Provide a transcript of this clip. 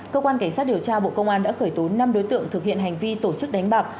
cơ quan cảnh sát điều tra bộ công an đã khởi tố năm đối tượng thực hiện hành vi tổ chức đánh bạc